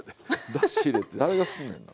だし入れて誰がすんねんな。